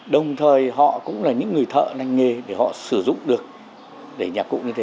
đồng thời họ cũng là những người thợ lành nghề để họ sử dụng được để nhà cụ như thế